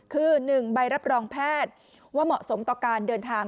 คือ๑ใบรับรองแพทย์ว่าเหมาะสมต่อการเดินทาง